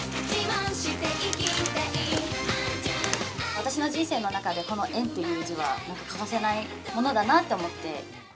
私の人生の中で、この縁という字は、欠かせないものだなって思って。